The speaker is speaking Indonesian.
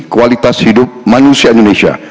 kualitas hidup manusia indonesia